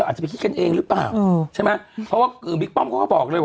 ใช่มะเพราะว่าวิทย์ป้อมเขาก็บอกเลย